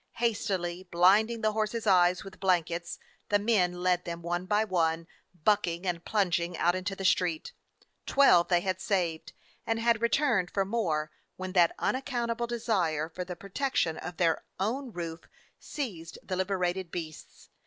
Hastily blinding the horses' eyes with blan kets, the men led them, one by one, bucking and plunging, out into the street. Twelve they had saved and had returned for more when that unaccountable desire for the protec tion of their own roof seized the liberated beasts.